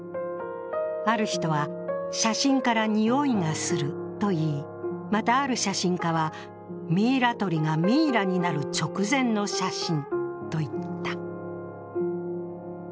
ある人からは、「写真からにおいがする」といい、また、ある写真家はミイラ取りがミイラになる直前の写真と言った。